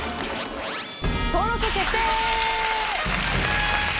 登録決定！